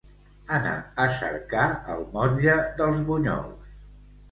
Anar a cercar el motlle dels bunyols.